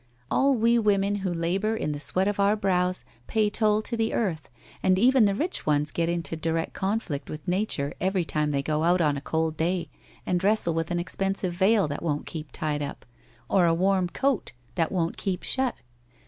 All we women who labour in the sweat of our brows pay toll to the earth, and even the rich ones get into direct conflict with nature every time they go out on a cold day and wrestle with an expensive veil that won't keep tied, or a warm coat that won't keep shut.